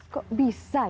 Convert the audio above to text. kok bisa ya